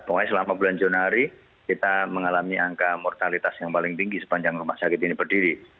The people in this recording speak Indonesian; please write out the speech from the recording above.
pokoknya selama bulan januari kita mengalami angka mortalitas yang paling tinggi sepanjang rumah sakit ini berdiri